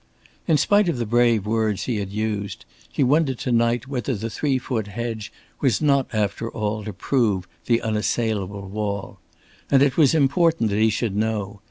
In spite of the brave words he had used, he wondered to night whether the three foot hedge was not after all to prove the unassailable wall. And it was important that he should know.